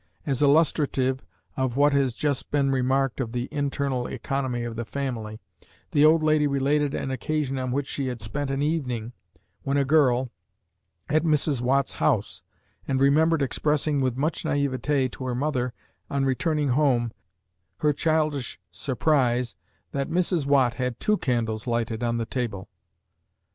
As illustrative of what has just been remarked of the internal economy of the family, the old lady related an occasion on which she had spent an evening, when a girl, at Mrs. Watt's house, and remembered expressing with much naïveté to her mother, on returning home, her childish surprise that "Mrs. Watt had two candles lighted on the table!"